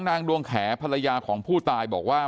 นางดวงแขภรรยาของผู้ตายบอกว่า